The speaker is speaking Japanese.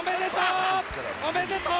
おめでとう！